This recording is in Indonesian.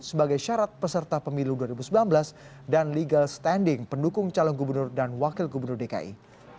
sebagai syarat peserta pemilu dua ribu sembilan belas dan legal standing pendukung calon gubernur dan wakil gubernur dki